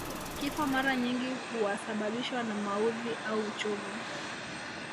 Kifo mara nyingi huasababishwa na maudhi au uchovu